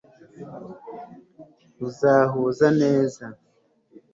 Uzahuza neza